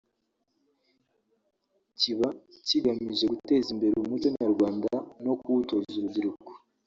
kiba kigamije guteza imbere umuco nyarwanda no kuwutoza urubyiruko